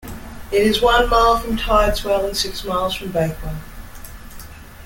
It is one mile from Tideswell and six miles from Bakewell.